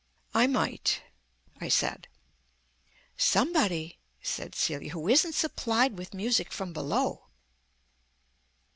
"I might," I said. "Somebody," said Celia, "who isn't supplied with music from below."